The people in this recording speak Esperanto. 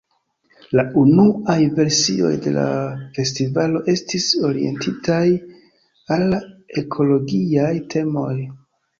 La unuaj versioj de la festivalo estis orientitaj al ekologiaj temoj.